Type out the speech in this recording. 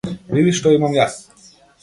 Види што имам јас.